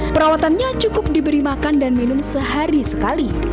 perawatannya cukup diberi makan dan minum sehari sekali